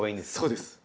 そうです。